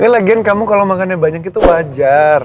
ini lagian kamu kalau makannya banyak itu wajar